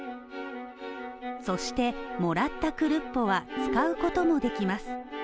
そして、もらったクルッポは使うこともできます。